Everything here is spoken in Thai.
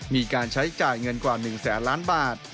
มีการใช้จ่ายเงินกว่า๑๐๐๐๐๐๐๐๐บาท